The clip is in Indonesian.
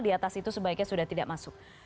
di atas itu sebaiknya sudah tidak masuk